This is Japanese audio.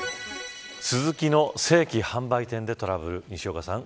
スズキの正規販売店でトラブル。